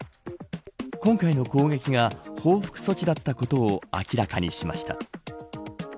今回の攻撃が報復措置だったことを明らかにしました。